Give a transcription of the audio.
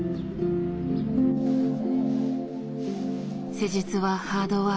施術はハードワーク。